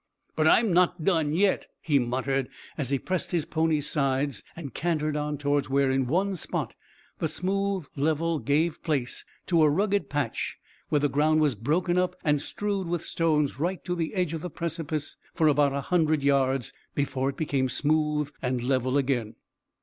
"But I'm not done yet," he muttered, as he pressed his pony's sides and cantered on towards where in one spot the smooth level gave place to a rugged patch where the ground was broken up and strewed with stones right to the edge of the precipice for about a hundred yards, before it became smooth and level again.